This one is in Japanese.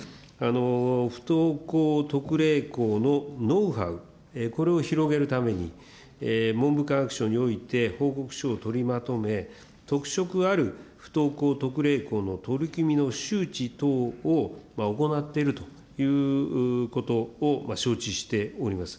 不登校特例校のノウハウ、これを広げるために、文部科学省において報告書を取りまとめ、特色ある不登校特例校の取り組みの周知等を行っているということを承知しております。